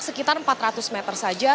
sekitar empat ratus meter saja